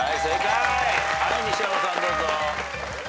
西山さんどうぞ。